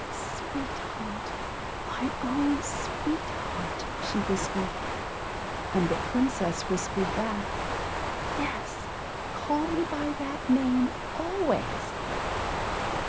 "Sweet Heart! my own Sweet Heart!" she whispered. And the Princess whispered back, "Yes, call me by that name always."